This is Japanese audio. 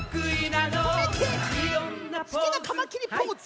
すきなカマキリポーズ！